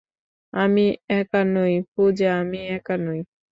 আমি একা নই, পূজা, আমি একা নই।